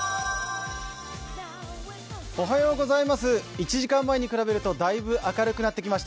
１時間前に比べるとだいぶ明るくなってきました。